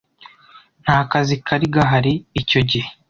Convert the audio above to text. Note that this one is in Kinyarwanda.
nta kazi kari gahari, icyo gihe